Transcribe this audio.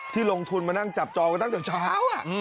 ลงทุนมานั่งจับจองกันตั้งแต่เช้า